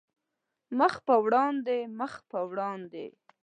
مخ په وړاندې، مخ په وړاندې